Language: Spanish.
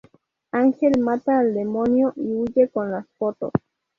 Angel mata al demonio y huye con las fotos.